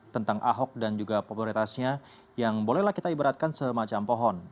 tentang ahok dan juga popularitasnya yang bolehlah kita ibaratkan semacam pohon